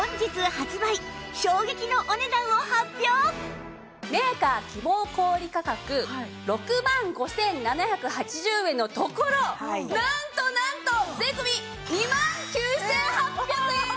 さあメーカー希望小売価格６万５７８０円のところなんとなんと税込２万９８００円です！